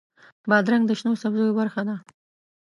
بادرنګ د شنو سبزیو برخه ده.